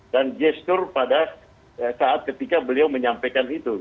dan gesture pada saat ketika beliau menyampaikan itu